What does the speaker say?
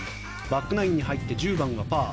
バックナインに入って１０番がパー。